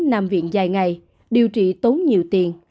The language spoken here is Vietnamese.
nằm viện dài ngày điều trị tốn nhiều tiền